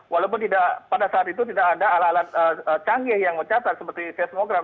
walaupun pada saat itu tidak ada alat alat canggih yang mencatat seperti seismogram